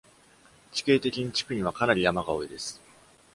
地形的に、地区にはかなり山が多いです。